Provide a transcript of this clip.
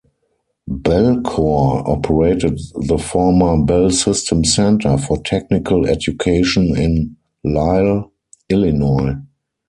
Bellcore operated the former Bell System Center for Technical Education in Lisle, Illinois.